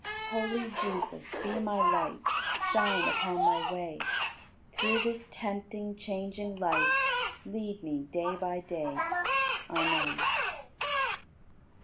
79. Holy Jesus, be my Light, Shine upon my way; Through this tempting, changing life Lead me day by day. Amen.